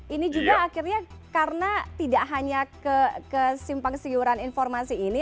ini juga akhirnya karena tidak hanya kesimpang siuran informasi ini